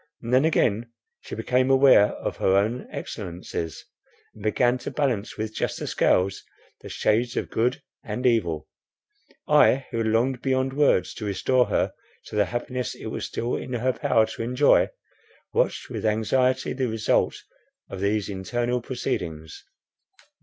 And then again she became aware of her own excellencies, and began to balance with juster scales the shades of good and evil. I, who longed beyond words, to restore her to the happiness it was still in her power to enjoy, watched with anxiety the result of these internal proceedings.